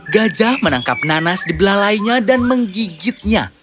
gajah menangkap nanas di belah lainnya dan menggigitnya